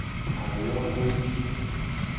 Alogovi.